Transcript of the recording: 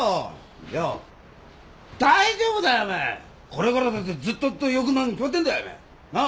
これからだってずっとずっとよくなるに決まってんだよお前。